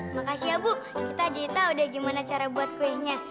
makasih ya bu kita jadi tahu deh gimana cara buat kuenya